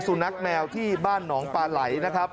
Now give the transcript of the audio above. สุนัขแมวที่บ้านหนองปลาไหลนะครับ